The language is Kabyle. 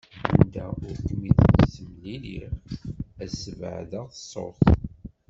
Anda ur kem-id-ttemlileɣ, ad sbeɛdeɣ ṣṣut.